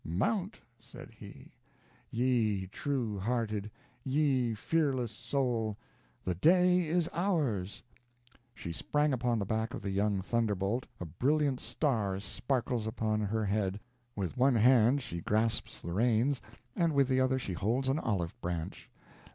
"Mount," said he, "ye true hearted, ye fearless soul the day is ours." She sprang upon the back of the young thunderbolt, a brilliant star sparkles upon her head, with one hand she grasps the reins, and with the other she holds an olive branch.